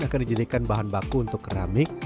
akan dijadikan bahan baku untuk keramik